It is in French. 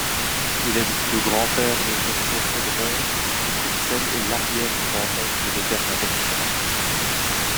Il est le grand-père de Geoffroy Chodron de Courcel et l'arrière-grand-oncle de Bernadette Chirac.